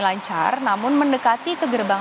lancar namun mendekati ke gerbang